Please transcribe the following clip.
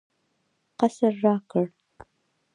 قصر راکړ.